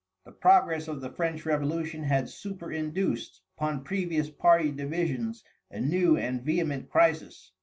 The progress of the French revolution had superinduced upon previous party divisions a new and vehement crisis.